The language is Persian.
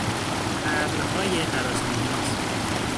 ابرهای هراسانگیز